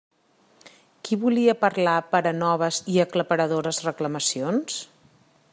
Qui volia parlar per a noves i aclaparadores reclamacions?